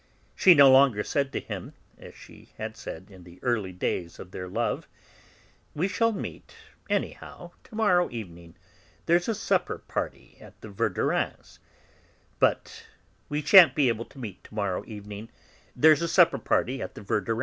She no longer said to him, as she had said in the early days of their love: "We shall meet, anyhow, to morrow evening; there's a supper party at the Verdurins'," but "We sha'n't be able to meet to morrow evening; there's a supper party at the Verdurins'."